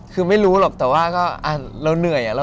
ก็ไม่รู้หรอกแต่ว่าก็อ่าเราเหนื่อยอะ